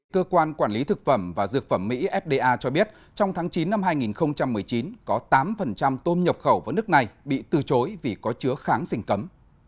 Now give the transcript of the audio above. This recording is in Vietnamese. cơ quan quản lý thực phẩm và dược phẩm mỹ fda cho biết trong tháng chín năm hai nghìn một mươi chín có tám tôm nhập khẩu vào nước này bị từ chối vì có chứa kháng sinh cấm